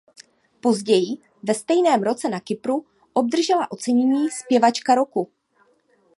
Později ve stejném roce na Kypru obdržela ocenění "Zpěvačka roku".